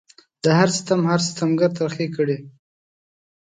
د هر ستم هر ستمګر ترخې کړي